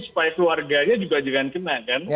supaya keluarganya juga jangan kena kan